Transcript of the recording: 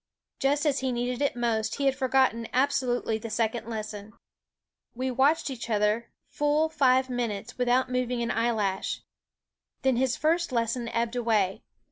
Just as he needed it most, he had forgotten abso lutely the second lesson. We watched each other full five minutes without moving an eyelash. Then his first lesson ebbed away.